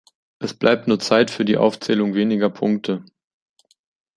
Es bleibt nur Zeit für die Aufzählung weniger Punkte.